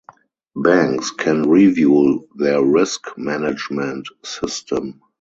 Banks can review their risk management system.